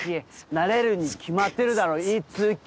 なれるに決まってるだろイ・ツ・キ